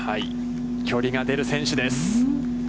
距離が出る選手です。